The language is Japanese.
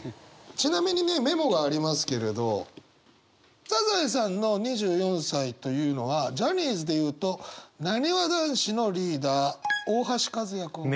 ちなみにねメモがありますけれどサザエさんの２４歳というのはジャニーズでいうとなにわ男子のリーダー大橋和也君。